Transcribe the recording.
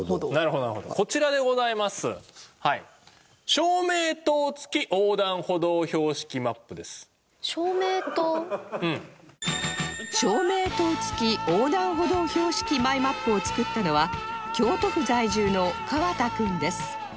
照明灯付横断歩道標識マイマップを作ったのは京都府在住の川田君です